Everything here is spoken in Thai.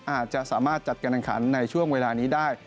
อาจจะสามารถจัดการแข่งขันในช่วงเวลานี้ได้